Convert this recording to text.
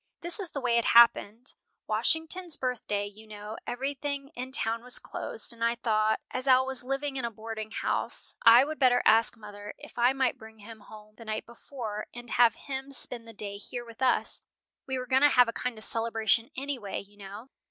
"This is the way it happened: Washington's birthday, you know, everything in town was closed, and I thought, as Al was living in a boarding house, I would better ask mother if I might bring him home the night before, and have him spend the day here with us; we were going to have a kind of celebration anyway, you know.